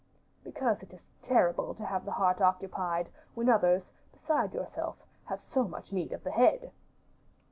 "Because it is terrible to have the heart occupied, when others, besides yourself, have so much need of the head."